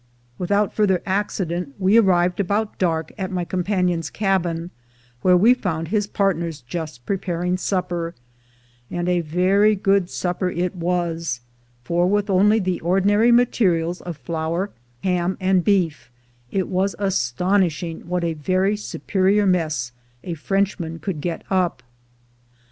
Without further accident we arrived about dark at my companion's cabin, where we found his partners just preparing supper; — and a very good supper it was; for, with only the ordinary materials of flour, ham, and beef, it was astonishing what a very superior mess a Frenchman could get up.